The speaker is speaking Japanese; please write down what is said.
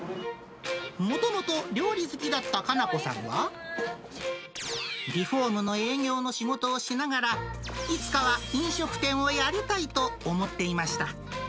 もともと料理好きだったかなこさんは、リフォームの営業の仕事をしながら、いつかは飲食店をやりたいと思っていました。